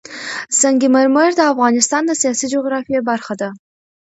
سنگ مرمر د افغانستان د سیاسي جغرافیه برخه ده.